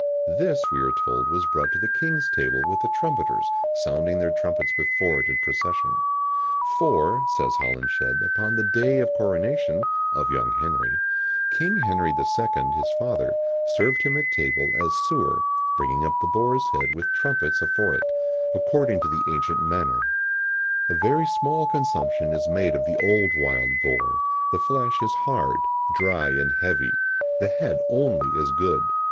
This, we are told, was brought to the king's table with the trumpeters sounding their trumpets before it in procession. "For," says Holinshed, "upon the day of coronation (of young Henry), King Henry II., his father, served him at table as sewer, bringing up the bore's head with trumpetes afore it, according to the ancient manner." STRUTT, "Manners and Customs," Vol ii., p. 19. "A very small consumption is made of the old wild boar; the flesh is hard, dry, and heavy; the head only is good.